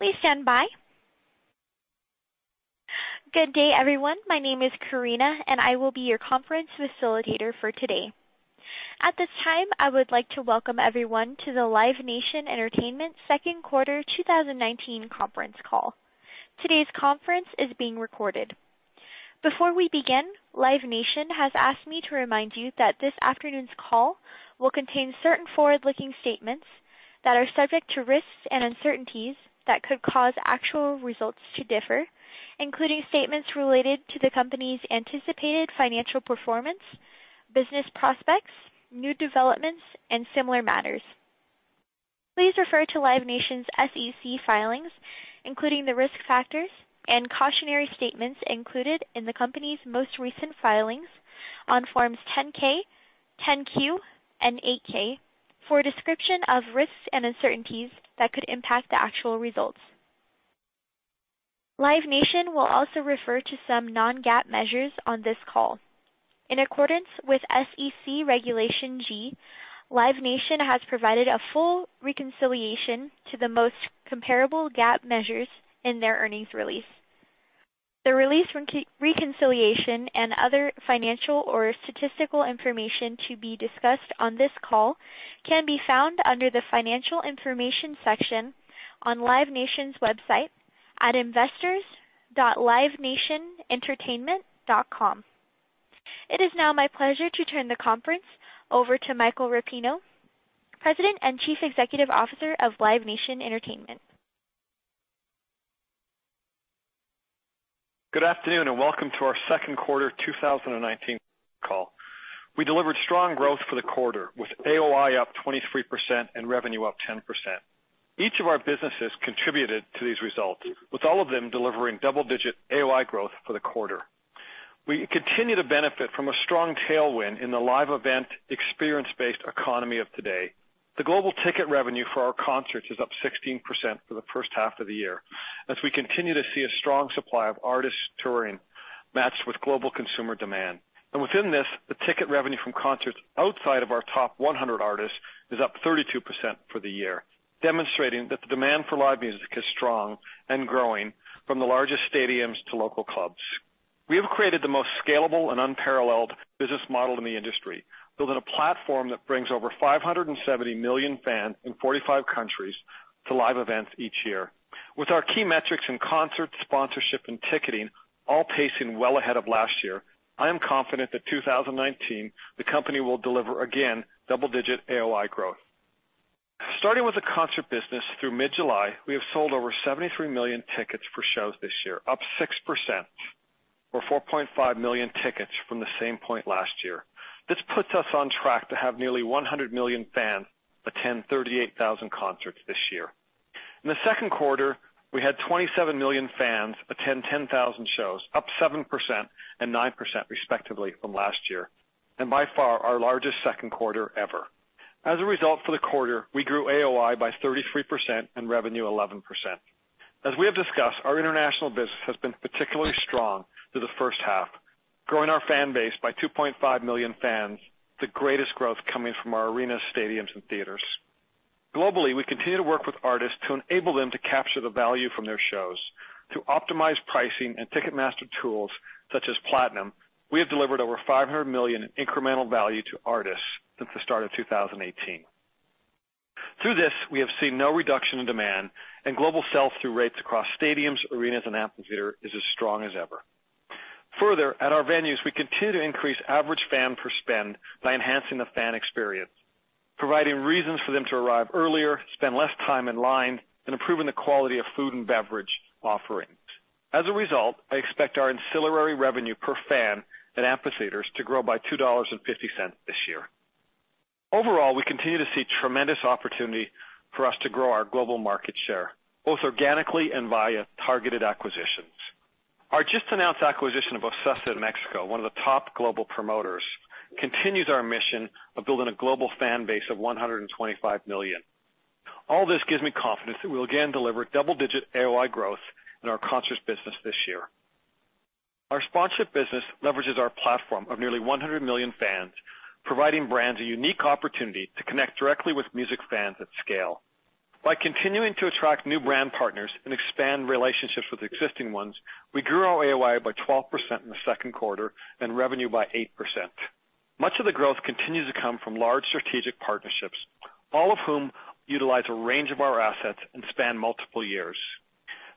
Please stand by. Good day, everyone. My name is Karina. I will be your conference facilitator for today. At this time, I would like to welcome everyone to the Live Nation Entertainment second quarter 2019 conference call. Today's conference is being recorded. Before we begin, Live Nation has asked me to remind you that this afternoon's call will contain certain forward-looking statements that are subject to risks and uncertainties that could cause actual results to differ, including statements related to the company's anticipated financial performance, business prospects, new developments, and similar matters. Please refer to Live Nation's SEC filings, including the risk factors and cautionary statements included in the company's most recent filings on Forms 10-K, 10-Q, and 8-K, for a description of risks and uncertainties that could impact the actual results. Live Nation will also refer to some non-GAAP measures on this call. In accordance with SEC Regulation G, Live Nation has provided a full reconciliation to the most comparable GAAP measures in their earnings release. The release from reconciliation and other financial or statistical information to be discussed on this call can be found under the Financial Information section on Live Nation's website at investors.livenationentertainment.com. It is now my pleasure to turn the conference over to Michael Rapino, President and Chief Executive Officer of Live Nation Entertainment. Good afternoon, and welcome to our second quarter 2019 call. We delivered strong growth for the quarter, with AOI up 23% and revenue up 10%. Each of our businesses contributed to these results, with all of them delivering double-digit AOI growth for the quarter. We continue to benefit from a strong tailwind in the live event, experience-based economy of today. The global ticket revenue for our concerts is up 16% for the first half of the year as we continue to see a strong supply of artists touring matched with global consumer demand. Within this, the ticket revenue from concerts outside of our top 100 artists is up 32% for the year, demonstrating that the demand for live music is strong and growing from the largest stadiums to local clubs. We have created the most scalable and unparalleled business model in the industry, building a platform that brings over 570 million fans in 45 countries to live events each year. With our key metrics in concerts, sponsorship, and ticketing all pacing well ahead of last year, I am confident that in 2019, the company will deliver, again, double-digit AOI growth. Starting with the concert business through mid-July, we have sold over 73 million tickets for shows this year, up 6%, or 4.5 million tickets from the same point last year. This puts us on track to have nearly 100 million fans attend 38,000 concerts this year. In the second quarter, we had 27 million fans attend 10,000 shows, up 7% and 9% respectively from last year, and by far our largest second quarter ever. As a result, for the quarter, we grew AOI by 33% and revenue 11%. As we have discussed, our international business has been particularly strong through the first half, growing our fan base by 2.5 million fans, the greatest growth coming from our arenas, stadiums, and theaters. Globally, we continue to work with artists to enable them to capture the value from their shows. Through optimized pricing and Ticketmaster tools, such as Platinum, we have delivered over $500 million in incremental value to artists since the start of 2018. Through this, we have seen no reduction in demand, and global sell-through rates across stadiums, arenas, and amphitheater is as strong as ever. Further, at our venues, we continue to increase average fan per spend by enhancing the fan experience, providing reasons for them to arrive earlier, spend less time in line, and improving the quality of food and beverage offerings. As a result, I expect our ancillary revenue per fan at amphitheaters to grow by $2.50 this year. Overall, we continue to see tremendous opportunity for us to grow our global market share, both organically and via targeted acquisitions. Our just-announced acquisition of OCESA in Mexico, one of the top global promoters, continues our mission of building a global fan base of 125 million. All this gives me confidence that we'll again deliver double-digit AOI growth in our concerts business this year. Our sponsorship business leverages our platform of nearly 100 million fans, providing brands a unique opportunity to connect directly with music fans at scale. By continuing to attract new brand partners and expand relationships with existing ones, we grew our AOI by 12% in the second quarter and revenue by 8%. Much of the growth continues to come from large strategic partnerships, all of whom utilize a range of our assets and span multiple years.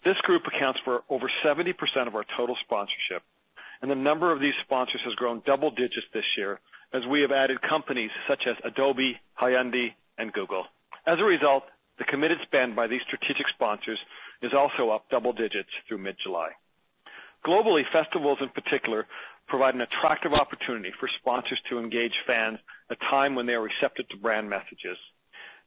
This group accounts for over 70% of our total sponsorship, and the number of these sponsors has grown double digits this year as we have added companies such as Adobe, Hyundai, and Google. As a result, the committed spend by these strategic sponsors is also up double digits through mid-July. Globally, festivals in particular provide an attractive opportunity for sponsors to engage fans at a time when they are receptive to brand messages.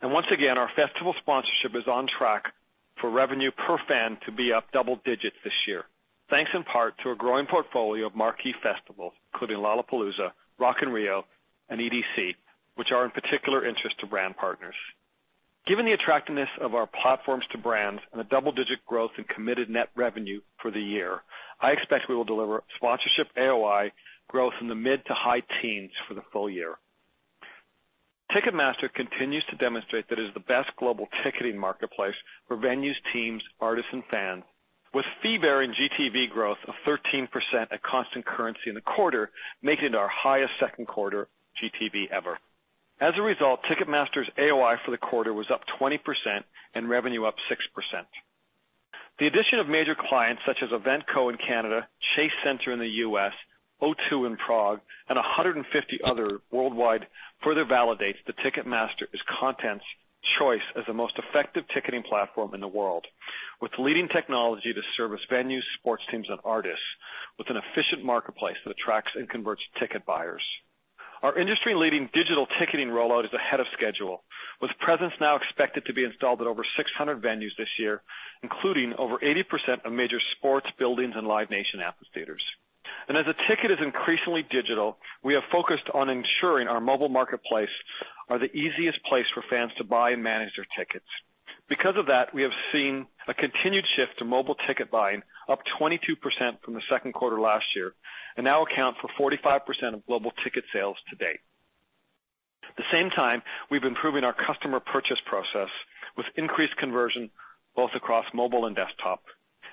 Once again, our festival sponsorship is on track for revenue per fan to be up double digits this year, thanks in part to a growing portfolio of marquee festivals, including Lollapalooza, Rock in Rio, and EDC, which are of particular interest to brand partners. Given the attractiveness of our platforms to brands and the double-digit growth in committed net revenue for the year, I expect we will deliver sponsorship AOI growth in the mid to high teens for the full year. Ticketmaster continues to demonstrate that it is the best global ticketing marketplace for venues, teams, artists, and fans, with fee-bearing GTV growth of 13% at constant currency in the quarter, making it our highest second quarter GTV ever. As a result, Ticketmaster's AOI for the quarter was up 20% and revenue up 6%. The addition of major clients such as evenko in Canada, Chase Center in the U.S., O2 in Prague, and 150 other worldwide, further validates that Ticketmaster is content's choice as the most effective ticketing platform in the world, with leading technology to service venues, sports teams, and artists, with an efficient marketplace that attracts and converts ticket buyers. Our industry-leading digital ticketing rollout is ahead of schedule, with Presence now expected to be installed at over 600 venues this year, including over 80% of major sports buildings and Live Nation amphitheaters. As the ticket is increasingly digital, we have focused on ensuring our mobile marketplace are the easiest place for fans to buy and manage their tickets. Because of that, we have seen a continued shift to mobile ticket buying, up 22% from the second quarter last year, and now account for 45% of global ticket sales to date. At the same time, we've been improving our customer purchase process, with increased conversion both across mobile and desktop.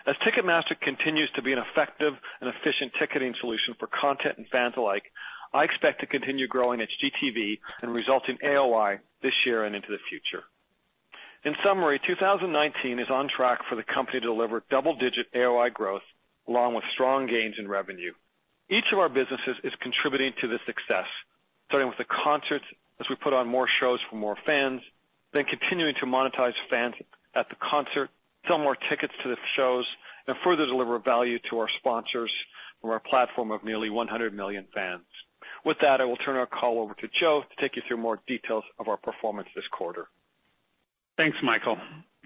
As Ticketmaster continues to be an effective and efficient ticketing solution for content and fans alike, I expect to continue growing its GTV and resulting AOI this year and into the future. In summary, 2019 is on track for the company to deliver double-digit AOI growth, along with strong gains in revenue. Each of our businesses is contributing to this success, starting with the concerts as we put on more shows for more fans, then continuing to monetize fans at the concert, sell more tickets to the shows, and further deliver value to our sponsors from our platform of nearly 100 million fans. With that, I will turn our call over to Joe to take you through more details of our performance this quarter. Thanks, Michael.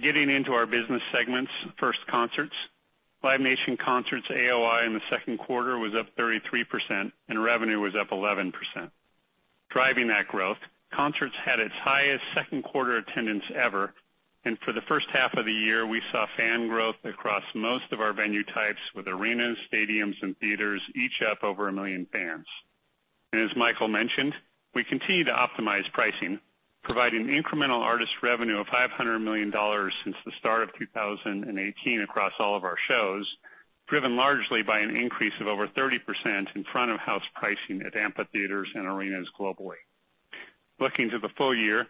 Getting into our business segments, first, Concerts. Live Nation Concerts AOI in the second quarter was up 33%. Revenue was up 11%. Driving that growth, Concerts had its highest second quarter attendance ever, and for the first half of the year, we saw fan growth across most of our venue types, with arenas, stadiums, and theaters each up over 1 million fans. As Michael mentioned, we continue to optimize pricing, providing incremental artist revenue of $500 million since the start of 2018 across all of our shows, driven largely by an increase of over 30% in front of house pricing at amphitheaters and arenas globally. Looking to the full year,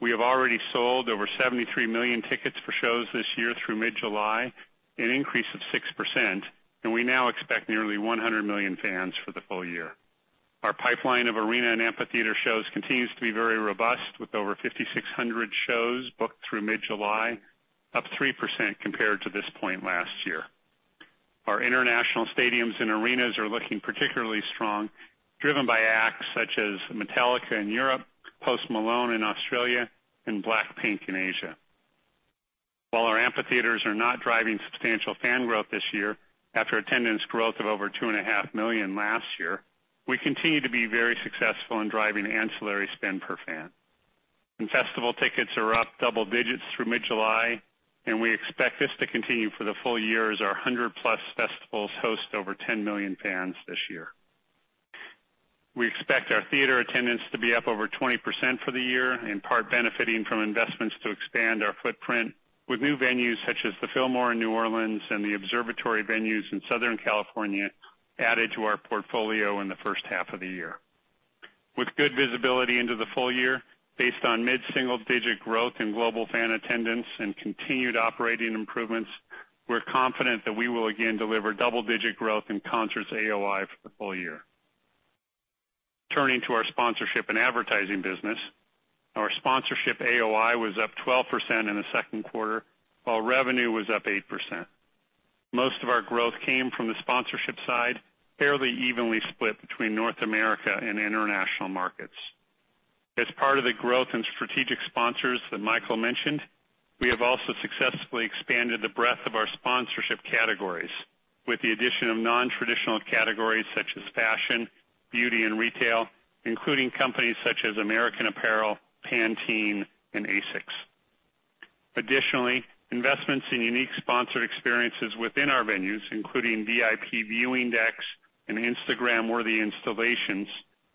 we have already sold over 73 million tickets for shows this year through mid-July, an increase of 6%. We now expect nearly 100 million fans for the full year. Our pipeline of arena and amphitheater shows continues to be very robust, with over 5,600 shows booked through mid-July, up 3% compared to this point last year. Our international stadiums and arenas are looking particularly strong, driven by acts such as Metallica in Europe, Post Malone in Australia, and Blackpink in Asia. While our amphitheaters are not driving substantial fan growth this year, after attendance growth of over 2.5 million last year, we continue to be very successful in driving ancillary spend per fan. Festival tickets are up double digits through mid-July, and we expect this to continue for the full year as our 100-plus festivals host over 10 million fans this year. We expect our theater attendance to be up over 20% for the year, in part benefiting from investments to expand our footprint with new venues such as the Fillmore in New Orleans and the Observatory venues in Southern California added to our portfolio in the first half of the year. With good visibility into the full year, based on mid-single digit growth in global fan attendance and continued operating improvements, we're confident that we will again deliver double-digit growth in Concerts AOI for the full year. Turning to our Sponsorship and Advertising business. Our Sponsorship AOI was up 12% in the second quarter, while revenue was up 8%. Most of our growth came from the sponsorship side, fairly evenly split between North America and international markets. As part of the growth in strategic sponsors that Michael mentioned, we have also successfully expanded the breadth of our sponsorship categories with the addition of non-traditional categories such as fashion, beauty, and retail, including companies such as American Apparel, Pantene, and ASICS. Additionally, investments in unique sponsored experiences within our venues, including VIP viewing decks and Instagram-worthy installations,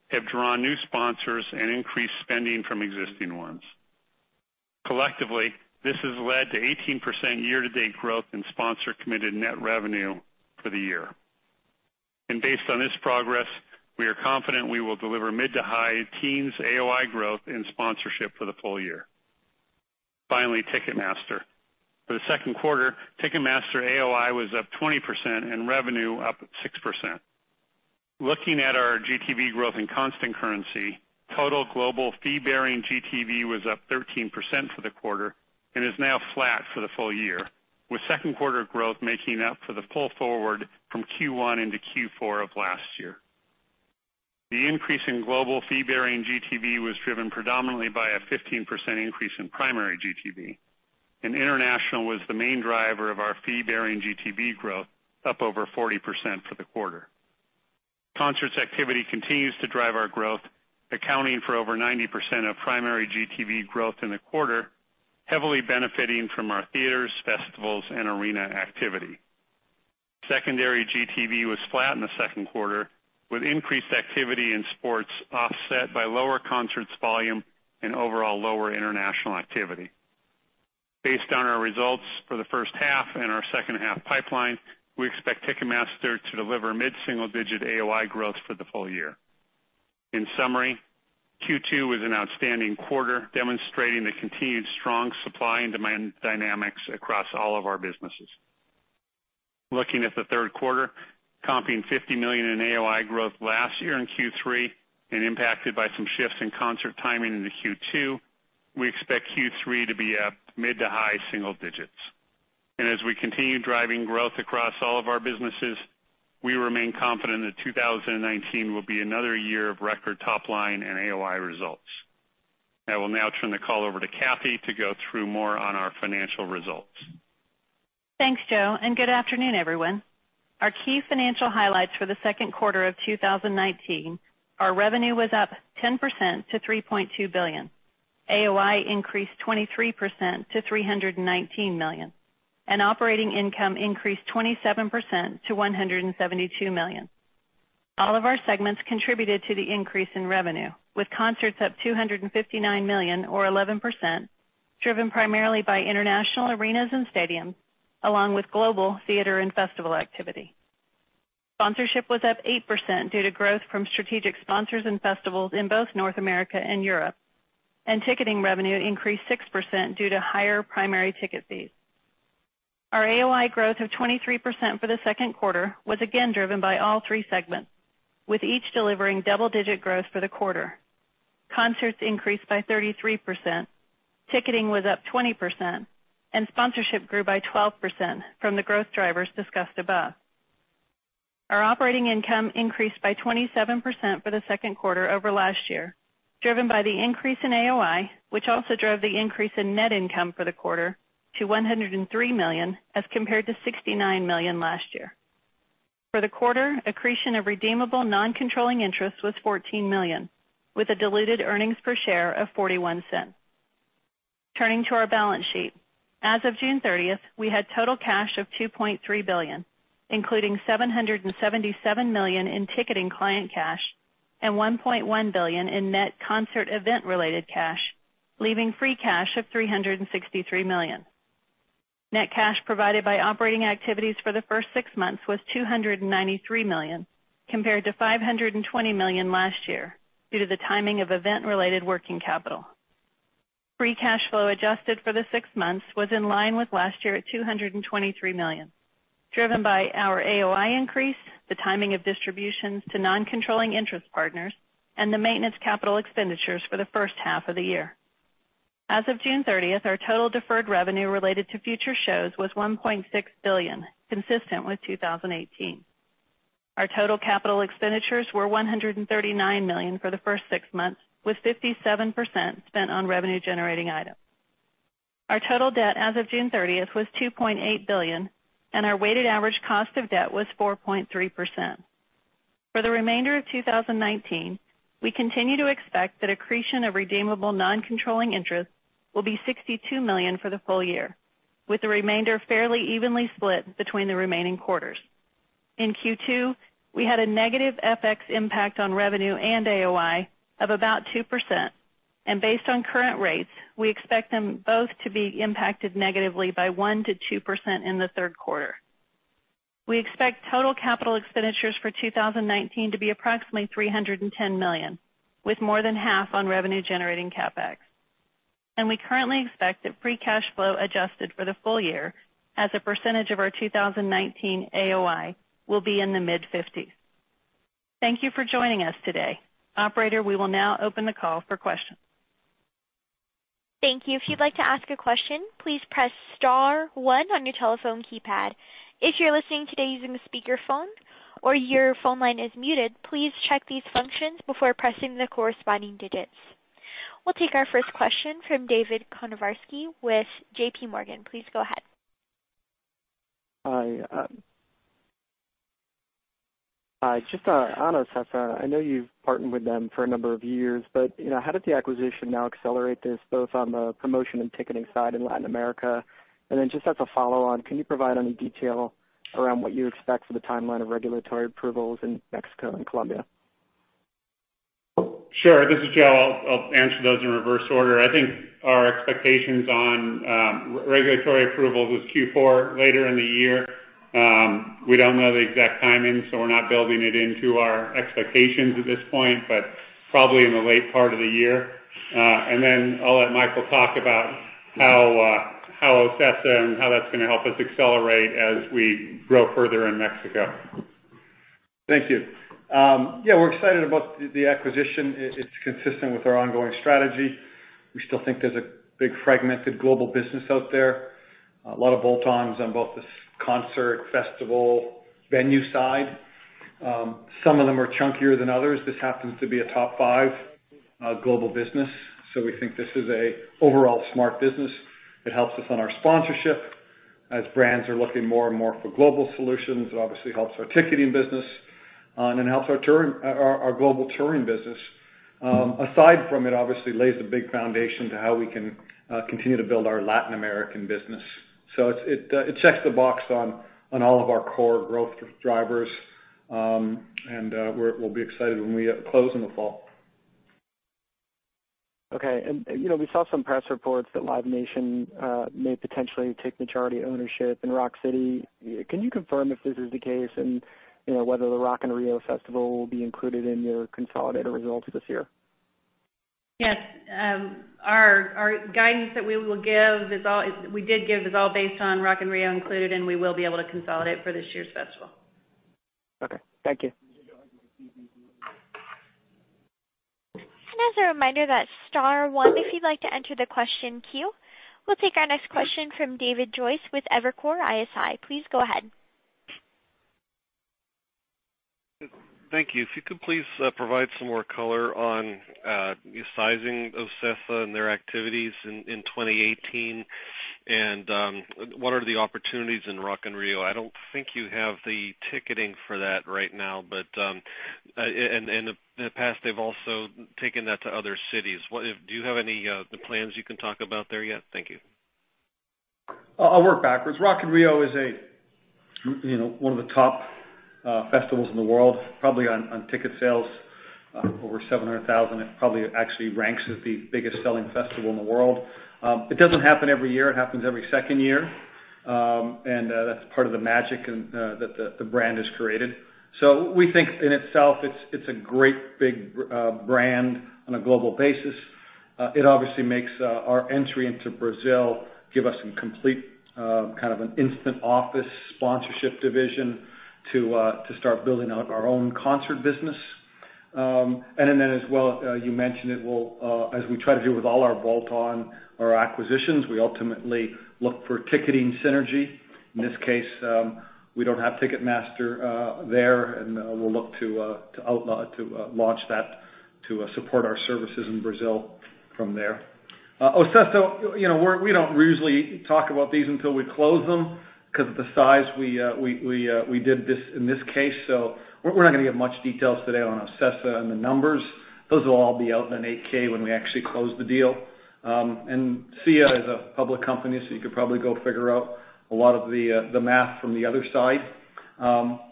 have drawn new sponsors and increased spending from existing ones. Collectively, this has led to 18% year-to-date growth in sponsor-committed net revenue for the year. Based on this progress, we are confident we will deliver mid to high teens AOI growth in Sponsorship for the full year. Finally, Ticketmaster. For the second quarter, Ticketmaster AOI was up 20% and revenue up 6%. Looking at our GTV growth in constant currency, total global fee-bearing GTV was up 13% for the quarter and is now flat for the full year, with second quarter growth making up for the pull forward from Q1 into Q4 of last year. International was the main driver of our fee-bearing GTV growth, up over 40% for the quarter. Concerts activity continues to drive our growth, accounting for over 90% of primary GTV growth in the quarter, heavily benefiting from our theaters, festivals, and arena activity. Secondary GTV was flat in the second quarter, with increased activity in sports offset by lower concerts volume and overall lower international activity. Based on our results for the first half and our second-half pipeline, we expect Ticketmaster to deliver mid-single-digit AOI growth for the full year. In summary, Q2 was an outstanding quarter, demonstrating the continued strong supply and demand dynamics across all of our businesses. Looking at the third quarter, comping $50 million in AOI growth last year in Q3 and impacted by some shifts in concert timing into Q2, we expect Q3 to be up mid to high single digits. As we continue driving growth across all of our businesses, we remain confident that 2019 will be another year of record top line and AOI results. I will now turn the call over to Kathy to go through more on our financial results. Thanks, Joe, and good afternoon, everyone. Our key financial highlights for the second quarter of 2019, our revenue was up 10% to $3.2 billion. AOI increased 23% to $319 million, and operating income increased 27% to $172 million. All of our segments contributed to the increase in revenue, with Concerts up $259 million or 11%, driven primarily by international arenas and stadiums, along with global theater and festival activity. Sponsorship was up 8% due to growth from strategic sponsors and festivals in both North America and Europe, and ticketing revenue increased 6% due to higher primary ticket fees. Our AOI growth of 23% for the second quarter was again driven by all three segments, with each delivering double-digit growth for the quarter. Concerts increased by 33%, ticketing was up 20%, and Sponsorship grew by 12% from the growth drivers discussed above. Our operating income increased by 27% for the second quarter over last year, driven by the increase in AOI, which also drove the increase in net income for the quarter to $103 million as compared to $69 million last year. For the quarter, accretion of redeemable non-controlling interest was $14 million, with a diluted earnings per share of $0.41. Turning to our balance sheet. As of June 30th, we had total cash of $2.3 billion, including $777 million in ticketing client cash and $1.1 billion in net concert event-related cash, leaving free cash of $363 million. Net cash provided by operating activities for the first six months was $293 million, compared to $520 million last year due to the timing of event-related working capital. Free cash flow adjusted for the six months was in line with last year at $223 million, driven by our AOI increase, the timing of distributions to non-controlling interest partners, and the maintenance capital expenditures for the first half of the year. As of June 30th, our total deferred revenue related to future shows was $1.6 billion, consistent with 2018. Our total capital expenditures were $139 million for the first six months, with 57% spent on revenue-generating items. Our total debt as of June 30th was $2.8 billion, and our weighted average cost of debt was 4.3%. For the remainder of 2019, we continue to expect that accretion of redeemable non-controlling interest will be $62 million for the full year, with the remainder fairly evenly split between the remaining quarters. In Q2, we had a negative FX impact on revenue and AOI of about 2%, and based on current rates, we expect them both to be impacted negatively by 1%-2% in the third quarter. We expect total capital expenditures for 2019 to be approximately $310 million, with more than half on revenue-generating CapEx. We currently expect that free cash flow adjusted for the full year as a percentage of our 2019 AOI will be in the mid-50s. Thank you for joining us today. Operator, we will now open the call for questions. Thank you. If you'd like to ask a question, please press star one on your telephone keypad. If you're listening today using speakerphone or your phone line is muted, please check these functions before pressing the corresponding digits. We'll take our first question from David Karnovsky with JP Morgan. Please go ahead. Hi. Just on OCESA, I know you've partnered with them for a number of years, how does the acquisition now accelerate this, both on the promotion and ticketing side in Latin America? Then just as a follow-on, can you provide any detail around what you expect for the timeline of regulatory approvals in Mexico and Colombia? Sure. This is Joe. I'll answer those in reverse order. I think our expectations on regulatory approvals is Q4, later in the year. We don't know the exact timing, we're not building it into our expectations at this point, but probably in the late part of the year. I'll let Michael talk about how OCESA and how that's going to help us accelerate as we grow further in Mexico. Thank you. Yeah, we're excited about the acquisition. It's consistent with our ongoing strategy. We still think there's a big fragmented global business out there. A lot of bolt-ons on both the concert, festival, venue side. Some of them are chunkier than others. This happens to be a top five global business. We think this is an overall smart business. It helps us on our sponsorship. As brands are looking more and more for global solutions, it obviously helps our ticketing business, and it helps our global touring business. Aside from it, obviously lays a big foundation to how we can continue to build our Latin American business. It checks the box on all of our core growth drivers. We'll be excited when we close in the fall. Okay. We saw some press reports that Live Nation may potentially take majority ownership in Rock City. Can you confirm if this is the case and whether the Rock in Rio Festival will be included in your consolidated results this year? Yes. Our guidance that we did give is all based on Rock in Rio included. We will be able to consolidate for this year's festival. Okay. Thank you. As a reminder, that's star one if you'd like to enter the question queue. We'll take our next question from David Joyce with Evercore ISI. Please go ahead. Thank you. If you could please provide some more color on the sizing of OCESA and their activities in 2018, and what are the opportunities in Rock in Rio. I don't think you have the ticketing for that right now, but in the past, they've also taken that to other cities. Do you have any plans you can talk about there yet? Thank you. I'll work backwards. Rock in Rio is one of the top festivals in the world. Probably on ticket sales, over 700,000. It probably actually ranks as the biggest selling festival in the world. It doesn't happen every year, it happens every second year. That's part of the magic that the brand has created. We think in itself, it's a great big brand on a global basis. It obviously makes our entry into Brazil give us some complete instant office sponsorship division to start building out our own concert business. As well, you mentioned it will, as we try to do with all our bolt-on or acquisitions, we ultimately look for ticketing synergy. In this case, we don't have Ticketmaster there, and we'll look to launch that to support our services in Brazil from there. OCESA, we don't usually talk about these until we close them because of the size we did in this case, we're not going to give much details today on OCESA and the numbers. Those will all be out in an 8-K when we actually close the deal. CIE is a public company, you could probably go figure out a lot of the math from the other side.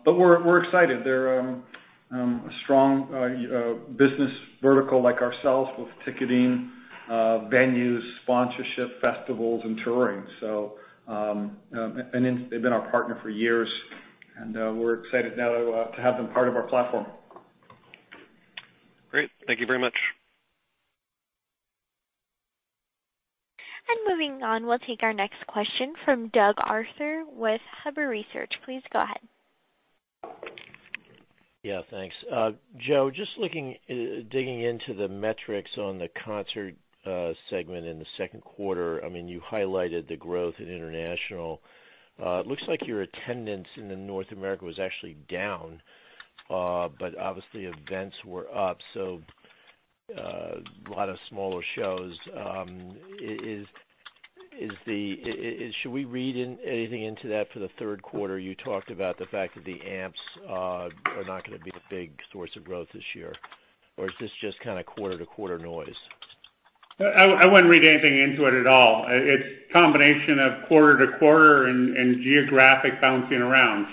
We're excited. They're a strong business vertical like ourselves, with ticketing, venues, sponsorship, festivals, and touring. They've been our partner for years, and we're excited now to have them part of our platform. Great. Thank you very much. Moving on, we'll take our next question from Doug Arthur with Huber Research. Please go ahead. Yeah, thanks. Joe, just digging into the metrics on the concert segment in the second quarter. You highlighted the growth in international. It looks like your attendance in North America was actually down. Obviously events were up, so a lot of smaller shows. Should we read anything into that for the third quarter? You talked about the fact that the amps are not gonna be the big source of growth this year, or is this just kind of quarter-to-quarter noise? I wouldn't read anything into it at all. It's combination of quarter to quarter and geographic bouncing around.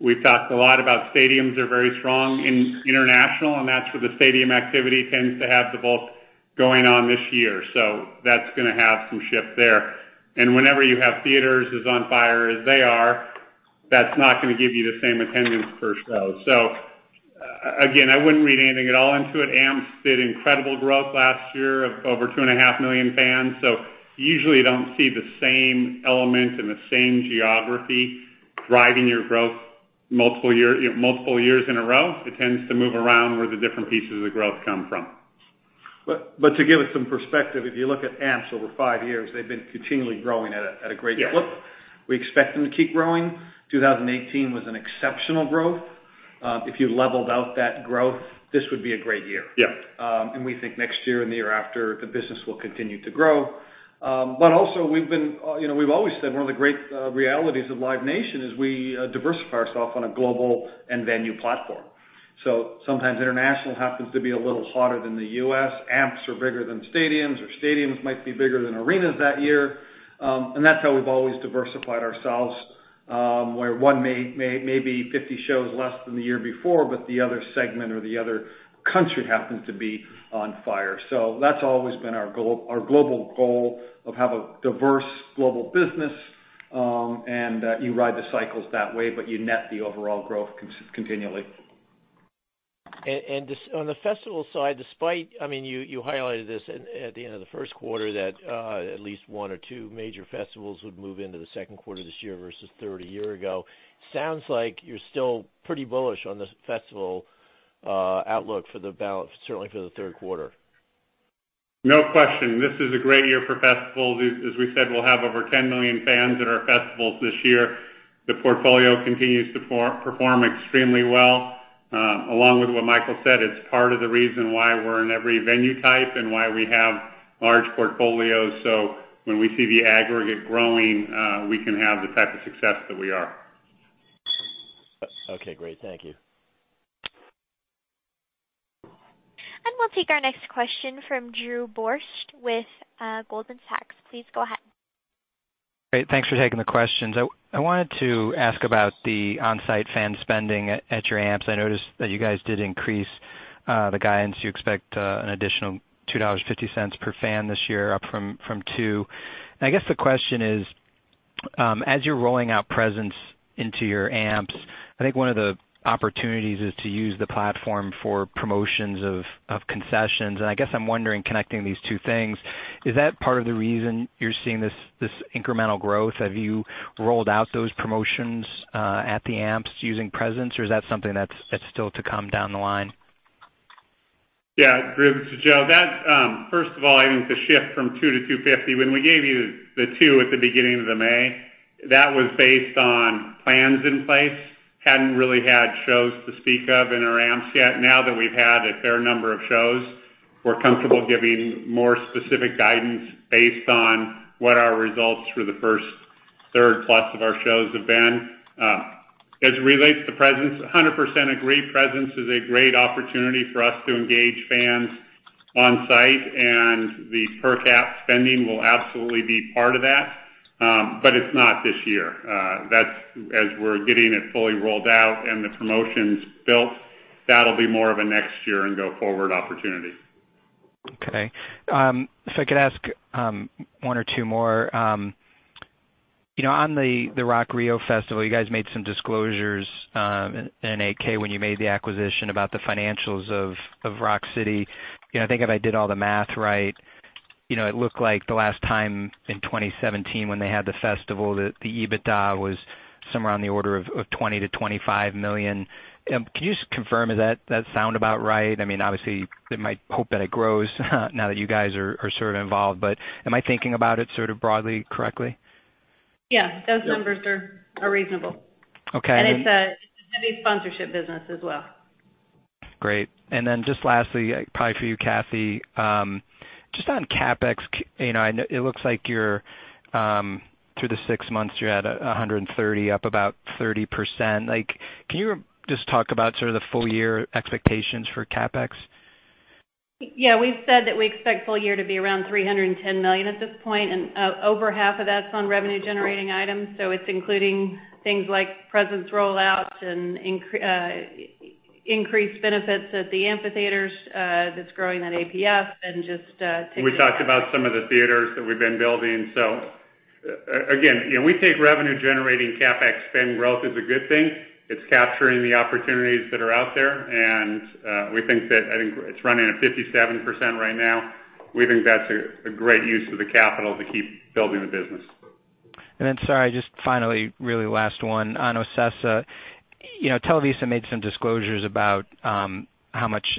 We've talked a lot about stadiums are very strong in international, and that's where the stadium activity tends to have the bulk going on this year. That's gonna have some shift there. Whenever you have theaters as on fire as they are, that's not gonna give you the same attendance per show. Again, I wouldn't read anything at all into it. Amps did incredible growth last year of over two and a half million fans. You usually don't see the same element and the same geography driving your growth multiple years in a row. It tends to move around where the different pieces of growth come from. To give it some perspective, if you look at Amps over five years, they've been continually growing at a great clip. Yeah. We expect them to keep growing. 2018 was an exceptional growth. If you leveled out that growth, this would be a great year. Yeah. We think next year and the year after, the business will continue to grow. Also we've always said one of the great realities of Live Nation is we diversify ourself on a global and venue platform. Sometimes international happens to be a little hotter than the U.S. Amps are bigger than stadiums, or stadiums might be bigger than arenas that year. That's how we've always diversified ourselves, where one may be 50 shows less than the year before, but the other segment or the other country happens to be on fire. That's always been our global goal of have a diverse global business, and that you ride the cycles that way, but you net the overall growth continually. On the festival side, despite, you highlighted this at the end of the first quarter, that at least one or two major festivals would move into the second quarter this year versus third a year ago. Sounds like you're still pretty bullish on this festival outlook for the balance, certainly for the third quarter. No question. This is a great year for festivals. As we said, we'll have over 10 million fans at our festivals this year. The portfolio continues to perform extremely well. Along with what Michael said, it's part of the reason why we're in every venue type and why we have large portfolios. When we see the aggregate growing, we can have the type of success that we are. Okay, great. Thank you. We'll take our next question from Drew Borst with Goldman Sachs. Please go ahead. Great. Thanks for taking the questions. I wanted to ask about the on-site fan spending at your amps. I noticed that you guys did increase the guidance. You expect an additional $2.50 per fan this year, up from $2.00. I guess the question is, as you're rolling out Presence into your amps, I think one of the opportunities is to use the platform for promotions of concessions. I guess I'm wondering, connecting these two things, is that part of the reason you're seeing this incremental growth? Have you rolled out those promotions at the amps using Presence, or is that something that's still to come down the line? Drew, this is Joe. First of all, I think the shift from $2.00 to $2.50, when we gave you the $2.00 at the beginning of the May, that was based on plans in place. Hadn't really had shows to speak of in our amps yet. Now that we've had a fair number of shows, we're comfortable giving more specific guidance based on what our results for the first third-plus of our shows have been. As it relates to Presence, 100% agree Presence is a great opportunity for us to engage fans on-site. The per cap spending will absolutely be part of that. It's not this year. As we're getting it fully rolled out and the promotions built, that'll be more of a next year and go-forward opportunity. Okay. If I could ask one or two more. On the Rock in Rio festival, you guys made some disclosures in an 8-K when you made the acquisition about the financials of Rock City. I think if I did all the math right, it looked like the last time in 2017 when they had the festival, that the EBITDA was somewhere on the order of $20 million-$25 million. Can you just confirm, does that sound about right? Obviously, I might hope that it grows now that you guys are sort of involved, but am I thinking about it sort of broadly correctly? Yeah. Those numbers are reasonable. Okay. It's a heavy sponsorship business as well. Great. Then just lastly, probably for you, Kathy, just on CapEx, it looks like through the six months, you're at $130, up about 30%. Can you just talk about sort of the full-year expectations for CapEx? Yeah. We've said that we expect full year to be around $310 million at this point. Over half of that's on revenue-generating items. It's including things like Presence rollouts and increased benefits at the amphitheaters that's growing that APS. We talked about some of the theaters that we've been building. Again, we take revenue-generating CapEx spend growth as a good thing. It's capturing the opportunities that are out there, and I think it's running at 57% right now. We think that's a great use of the capital to keep building the business. Sorry, just finally, really last one on OCESA. Televisa made some disclosures about how much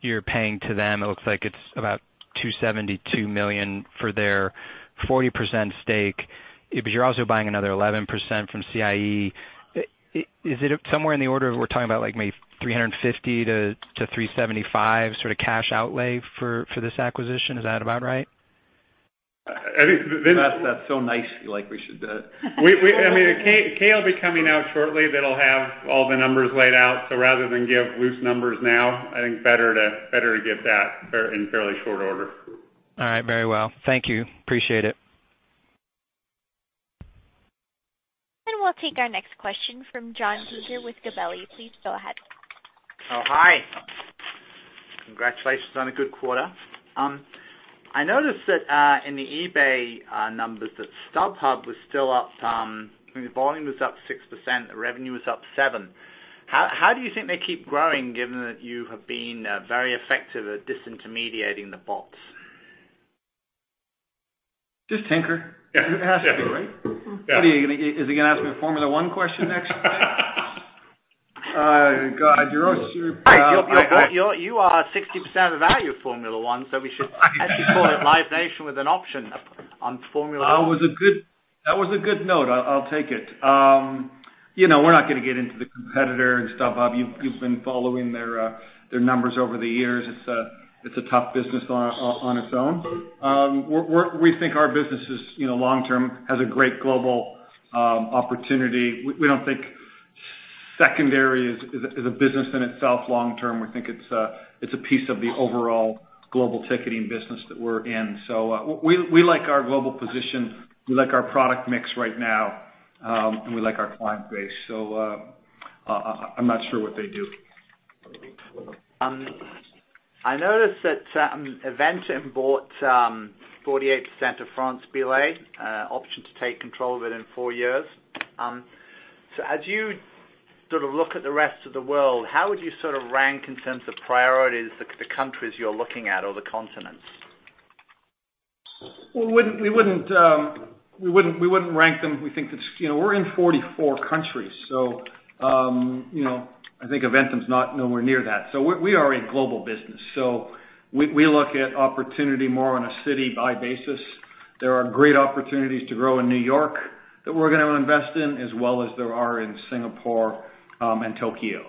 you're paying to them. It looks like it's about $272 million for their 40% stake, but you're also buying another 11% from CIE. Is it somewhere in the order of, we're talking about maybe $350 million-$375 million sort of cash outlay for this acquisition? Is that about right? I think- You asked that so nicely, like we should. A 10-K will be coming out shortly that'll have all the numbers laid out. Rather than give loose numbers now, I think better to get that in fairly short order. All right. Very well. Thank you. Appreciate it. We'll take our next question from John Belton with Gabelli. Please go ahead. Oh, hi. Congratulations on a good quarter. I noticed that in the eBay numbers, that StubHub was still up, volume was up 6%, the revenue was up 7%. How do you think they keep growing, given that you have been very effective at disintermediating the bots? Just tinker. Yeah. You have to, right? Yeah. What, is he gonna ask me a Formula 1 question next? God, you're all. You are 60% of the value of Formula 1. We should actually call it Live Nation with an option on Formula 1. That was a good note. I'll take it. We're not gonna get into the competitor and StubHub. You've been following their numbers over the years. It's a tough business on its own. We think our business, long term, has a great global opportunity. We don't think secondary is a business in itself long term. We think it's a piece of the overall global ticketing business that we're in. We like our global position, we like our product mix right now, and we like our client base. I'm not sure what they do. I noticed that Eventim bought 48% of France Billet, option to take control of it in four years. As you sort of look at the rest of the world, how would you sort of rank, in terms of priorities, the countries you're looking at or the continents? We wouldn't rank them. We're in 44 countries, so I think Eventim's nowhere near that. We are a global business, so we look at opportunity more on a city-by basis There are great opportunities to grow in New York that we're going to invest in, as well as there are in Singapore and Tokyo.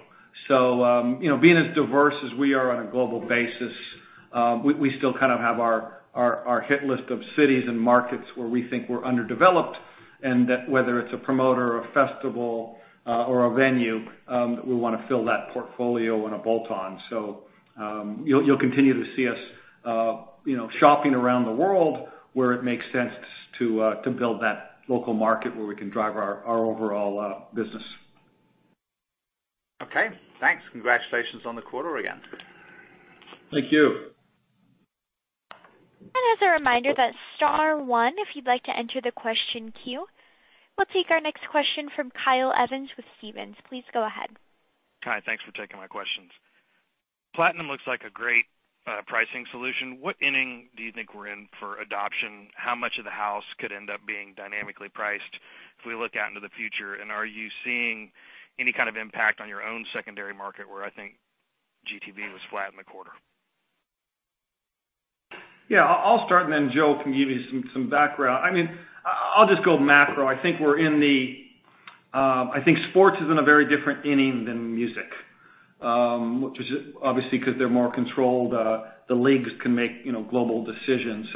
Being as diverse as we are on a global basis, we still kind of have our hit list of cities and markets where we think we're underdeveloped, and that whether it's a promoter or a festival or a venue, that we want to fill that portfolio in a bolt-on. You'll continue to see us shopping around the world where it makes sense to build that local market where we can drive our overall business. Okay, thanks. Congratulations on the quarter again. Thank you. As a reminder, that's star one if you'd like to enter the question queue. We'll take our next question from Kyle Evans with Stephens. Please go ahead. Hi, thanks for taking my questions. Platinum looks like a great pricing solution. What inning do you think we're in for adoption? How much of the house could end up being dynamically priced as we look out into the future? Are you seeing any kind of impact on your own secondary market, where I think GTV was flat in the quarter? I'll start and then Joe can give you some background. I'll just go macro. I think sports is in a very different inning than music. Obviously, because they're more controlled, the leagues can make global decisions.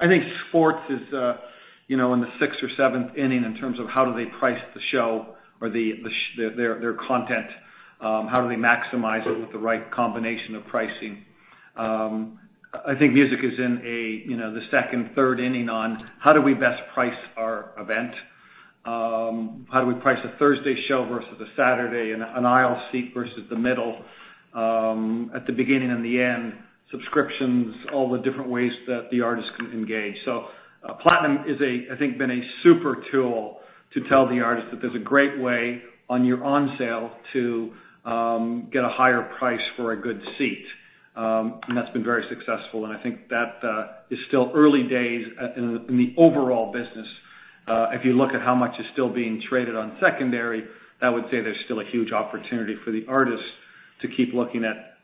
I think sports is in the sixth or seventh inning in terms of how do they price the show or their content. How do they maximize it with the right combination of pricing? I think music is in the second, third inning on how do we best price our event? How do we price a Thursday show versus a Saturday and an aisle seat versus the middle, at the beginning and the end, subscriptions, all the different ways that the artist can engage. Platinum is, I think, been a super tool to tell the artist that there's a great way on your on sale to get a higher price for a good seat. That's been very successful, and I think that is still early days in the overall business. If you look at how much is still being traded on secondary, I would say there's still a huge opportunity for the artist to keep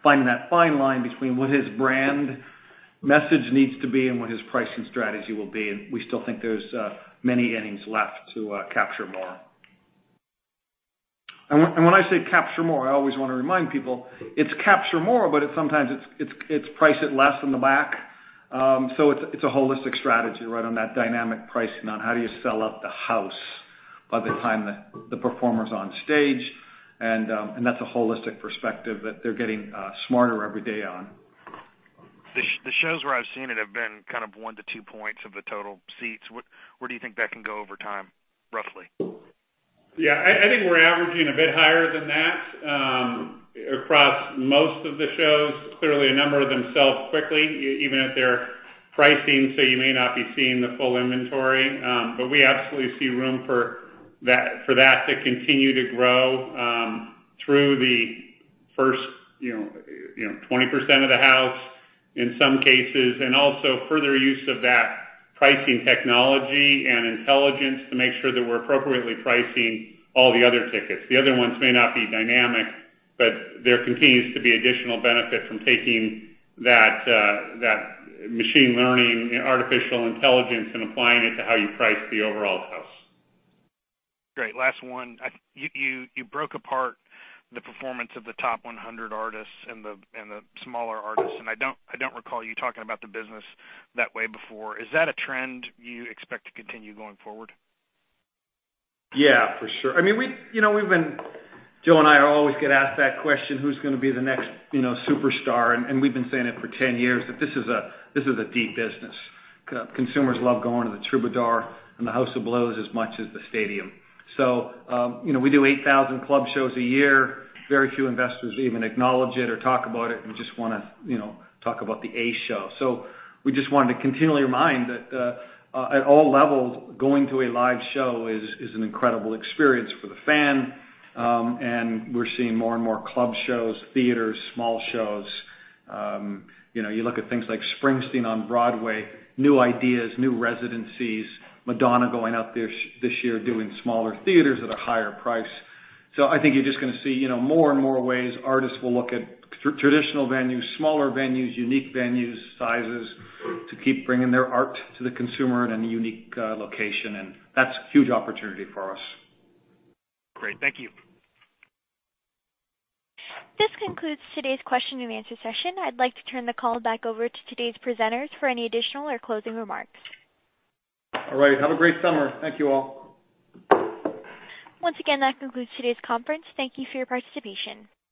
finding that fine line between what his brand message needs to be and what his pricing strategy will be, and we still think there's many innings left to capture more. When I say capture more, I always want to remind people, it's capture more, but it's sometimes it's price it less in the back. It's a holistic strategy right on that dynamic pricing on how do you sell out the house by the time the performer's on stage. That's a holistic perspective that they're getting smarter every day on. The shows where I've seen it have been one to two points of the total seats. Where do you think that can go over time, roughly? Yeah. I think we're averaging a bit higher than that across most of the shows. Clearly, a number of them sell quickly, even at their pricing, so you may not be seeing the full inventory. We absolutely see room for that to continue to grow through the first 20% of the house in some cases, and also further use of that pricing technology and intelligence to make sure that we're appropriately pricing all the other tickets. The other ones may not be dynamic, but there continues to be additional benefit from taking that machine learning and artificial intelligence and applying it to how you price the overall house. Great. Last one. You broke apart the performance of the top 100 artists and the smaller artists, and I don't recall you talking about the business that way before. Is that a trend you expect to continue going forward? Yeah, for sure. Joe and I always get asked that question, who's gonna be the next superstar, and we've been saying it for 10 years, that this is a deep business. Consumers love going to the Troubadour and the House of Blues as much as the stadium. We do 8,000 club shows a year. Very few investors even acknowledge it or talk about it and just want to talk about the A show. We just wanted to continually remind that at all levels, going to a live show is an incredible experience for the fan. We're seeing more and more club shows, theaters, small shows. You look at things like Springsteen on Broadway, new ideas, new residencies, Madonna going out this year doing smaller theaters at a higher price. I think you're just going to see more and more ways artists will look at traditional venues, smaller venues, unique venues, sizes, to keep bringing their art to the consumer in a unique location, and that's a huge opportunity for us. Great. Thank you. This concludes today's question and answer session. I'd like to turn the call back over to today's presenters for any additional or closing remarks. All right. Have a great summer. Thank you all. Once again, that concludes today's conference. Thank you for your participation.